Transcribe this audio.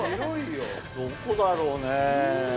どこだろうねぇ。